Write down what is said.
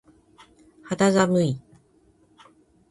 肌寒い。